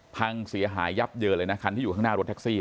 พังเสียหายยับเยินเลยนะคันที่อยู่ข้างหน้ารถแท็กซี่